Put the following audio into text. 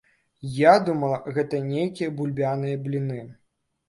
Я думала, гэта нейкія бульбяныя бліны.